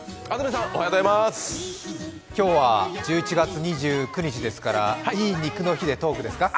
今日は１１月２９日ですから、いい肉の日でトークですか？